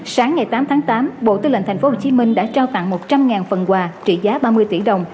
sáng ngày tám tháng tám bộ tư lệnh tp hcm đã trao tặng một trăm linh phần quà trị giá ba mươi tỷ đồng